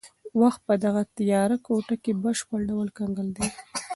وخت په دغه تیاره کوټه کې په بشپړ ډول کنګل دی.